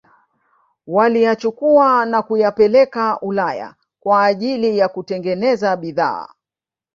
waliyachukua na kuyapeleka Ulaya kwa ajili ya kutengeneza bidhaa